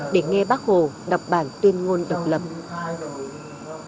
để nghe bác hồ đọc bản tuyên ngôn độc lập